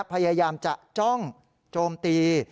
พยายามจะจ้องโจมตี